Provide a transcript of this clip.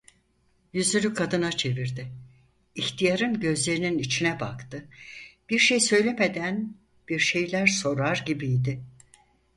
Yüzünü kadına çevirdi; ihtiyarın gözlerinin içine baktı; bir şey söylemeden bir şeyler sorar gibiydi.